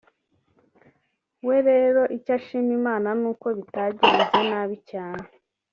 we rero icyo ashima Imana ni uko bitagenze nabi cyane